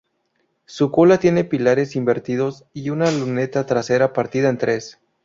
Su cola tiene pilares invertidos y una luneta trasera partida en tres.